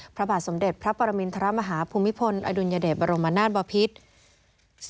พระบาทสมเด็จพระปรมินทรมาฮาภูมิพลอดุลยเดชบรมนาศบพิษ